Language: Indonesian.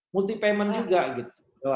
multi payment juga gitu